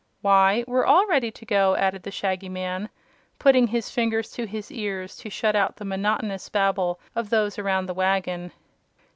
"Why, we're all ready to go," said the Shaggy Man, putting his fingers to his ears to shut out the monotonous babble of those around the wagon.